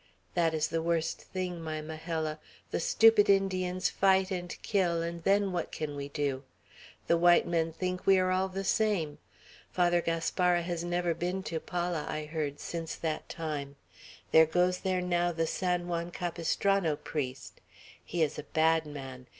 That is the worst thing, my Majella. The stupid Indians fight and kill, and then what can we do? The white men think we are all the same. Father Gaspara has never been to Pala, I heard, since that time. There goes there now the San Juan Capistrano priest. He is a bad man.